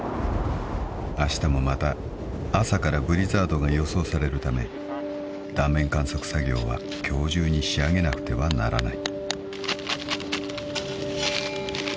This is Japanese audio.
［あしたもまた朝からブリザードが予想されるため断面観測作業は今日中に仕上げなくてはならない］